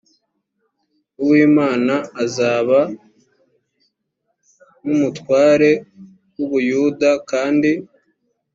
uw imana azaba nk umutware w u buyuda kandi